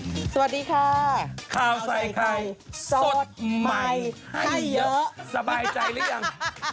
สวัสดีค่ะข้าวใส่ไข่สดใหม่ให้เยอะสบายใจหรือยัง